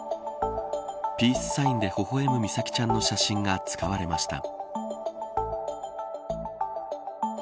ピースサインでほほ笑む美咲ちゃんの写真が使われました。